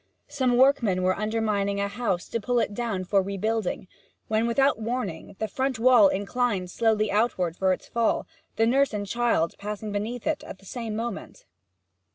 Some workmen were undermining a house to pull it down for rebuilding, when, without warning, the front wall inclined slowly outwards for its fall, the nurse and child passing beneath it at the same moment.